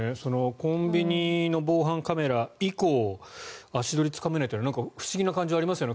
コンビニの防犯カメラ以降足取りがつかめないというのは不思議な感じがありますよね。